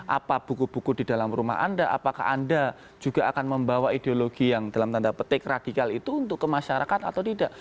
apa buku buku di dalam rumah anda apakah anda juga akan membawa ideologi yang dalam tanda petik radikal itu untuk ke masyarakat atau tidak